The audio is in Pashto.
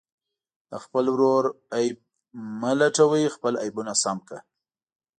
د خپل ورور عیب مه لټوئ، خپل عیبونه سم کړه.